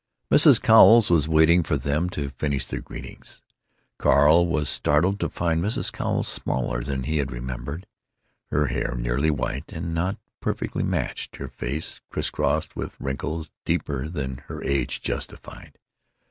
Mrs. Cowles was waiting for them to finish their greetings. Carl was startled to find Mrs. Cowles smaller than he had remembered, her hair nearly white and not perfectly matched, her face crisscrossed with wrinkles deeper than her age justified.